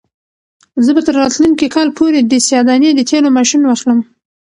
زه به تر راتلونکي کال پورې د سیاه دانې د تېلو ماشین واخلم.